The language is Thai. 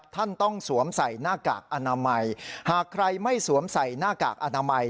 ท่านต้องสวมใส่หน้ากากอนามัยหากใครไม่สวมใส่หน้ากากอนามัย